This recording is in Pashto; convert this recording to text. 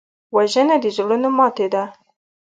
وژنه د زړونو ماتې ده